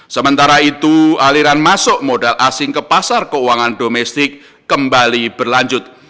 sementara itu aliran masuk modal asing ke pasar keuangan domestik kembali berlanjut